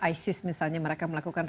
isis misalnya mereka melakukan